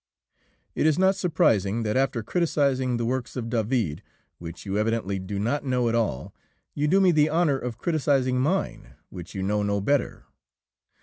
"It is not surprising that after criticising the works of David, which you evidently do not know at all, you do me the honour of criticising mine, which you know no better.